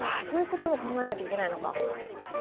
そういうことも考えなきゃいけないのか。